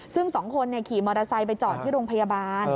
ซึ่งสองคนขี่มอเตอร์ไซค์ไปจอดที่โรงพยาบาล